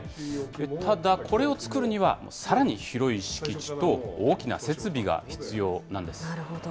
ただ、これを作るには、さらに広い敷地と、大きな設備が必要なんです。